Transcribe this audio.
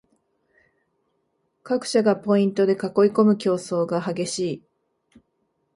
各社がポイントで囲いこむ競争が激しい